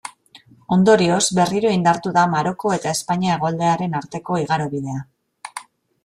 Ondorioz, berriro indartu da Maroko eta Espainia hegoaldearen arteko igarobidea.